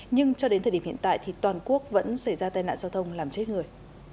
nhưng cho đến thời điểm hiện tại thì toàn quốc vẫn xảy ra tai nạn giao thông làm chết người